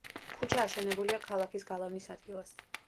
ქუჩა აშენებულია ქალაქის გალავნის ადგილას.